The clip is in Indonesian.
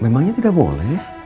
memangnya tidak boleh